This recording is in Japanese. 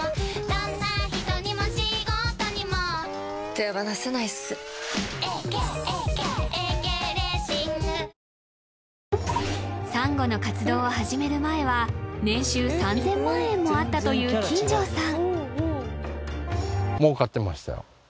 鳥肌が立つサンゴの活動を始める前は年収３０００万円もあったという金城さん